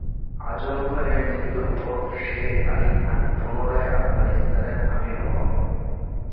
আজম খানের মৃত্যুর পর শের আলি খান পুনরায় আফগানিস্তানের আমির হন।